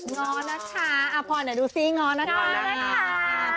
ง้อนะคะอะพอเดี๋ยวดูซิง้อนะคะ